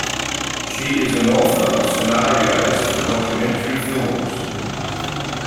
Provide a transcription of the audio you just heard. She is an author of scenarios for documentary films.